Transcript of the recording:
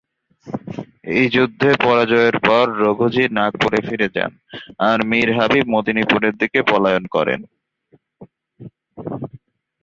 এই যুদ্ধে পরাজয়ের পর রঘুজী নাগপুরে ফিরে যান, আর মীর হাবিব মেদিনীপুরের দিকে পলায়ন করেন।